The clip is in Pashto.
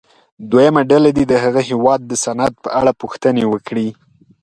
دویمه ډله دې د هغه هېواد د صنعت په اړه پوښتنې وکړي.